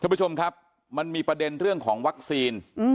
คุณผู้ชมครับมันมีประเด็นเรื่องของวัคซีน